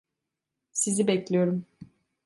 Sizi bekliyorum.